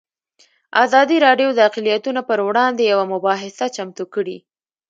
ازادي راډیو د اقلیتونه پر وړاندې یوه مباحثه چمتو کړې.